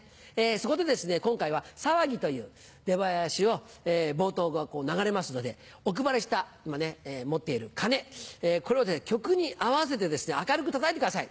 そこで今回は『さわぎ』という出囃子を冒頭が流れますのでお配りした今持っている鉦これを曲に合わせて明るくたたいてください。